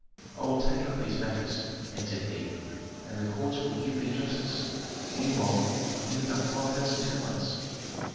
"I will take up these matters," answered he, "and the courts will give thee justice. Meanwhile, I need about five thousand talents."